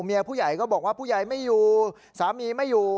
ผู้ใหญ่ก็บอกว่าผู้ใหญ่ไม่อยู่สามีไม่อยู่